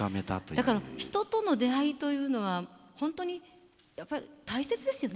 だから人との出会いというのは本当にやっぱり大切ですよね。